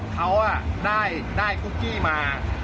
เขาได้ปุ๊กกี้มา